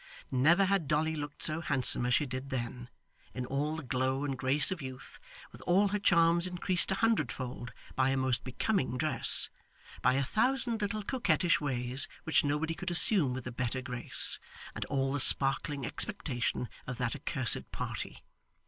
Never had Dolly looked so handsome as she did then, in all the glow and grace of youth, with all her charms increased a hundredfold by a most becoming dress, by a thousand little coquettish ways which nobody could assume with a better grace, and all the sparkling expectation of that accursed party.